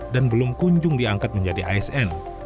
dan belum kunjung diangkat menjadi asn